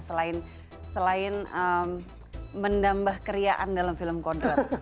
selain menambah keriaan dalam film kodrat